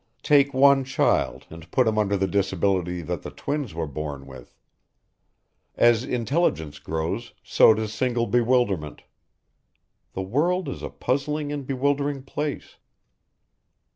Take one child and put him under the disability that the twins were born with. As intelligence grows so does single bewilderment. The world is a puzzling and bewildering place.